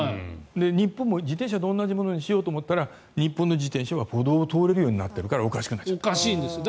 日本も自転車と同じものにしようと思ったら日本の自転車は歩道を通れるようになっているからそもそもおかしい。